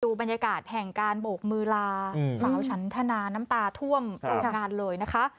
บรรยากาศแห่งการโบกมือลาสาวฉันทนาน้ำตาท่วมโรงงานเลยนะคะ